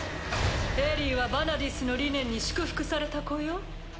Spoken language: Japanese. エリィはヴァナディースの理念に祝福された子よ。